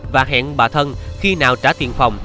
và hẹn bà thân khi nào trả tiền phòng